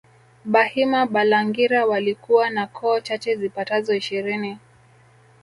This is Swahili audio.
Bahima Balangira walikuwa na koo chache zipatazo ishirini